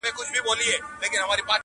بیا د ژړو ګلو وار سو د زمان استازی راغی!!